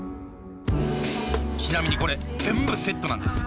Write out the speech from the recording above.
ちなみにこれ全部セットなんです。